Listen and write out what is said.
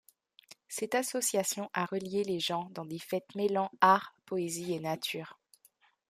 Cette association a relié les gens dans des fêtes mêlant art, poésie et nature.